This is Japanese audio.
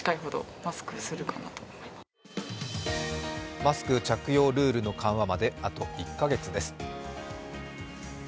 マスク着用ルールの緩和まであと１か月です。